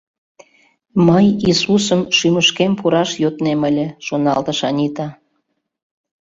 «Мый Исусым шӱмышкем пураш йоднем ыле, шоналтыш Анита.